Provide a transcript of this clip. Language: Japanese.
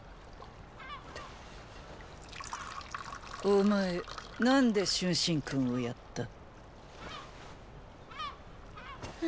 お前何で春申君を殺った？